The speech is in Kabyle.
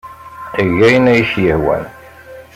Eg ayen ay ak-yehwan.